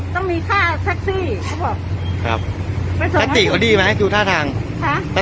ต้องมีค่าแท็กซี่เขาบอกครับสติเขาดีไหมดูท่าทางค่ะ